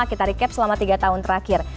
kita recap selama tiga tahun terakhir